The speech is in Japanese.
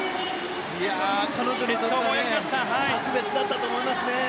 彼女にとって特別だったと思いますね。